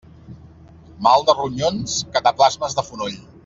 Mal de ronyons, cataplasmes de fonoll.